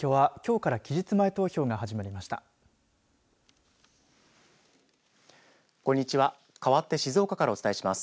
かわって静岡からお伝えします。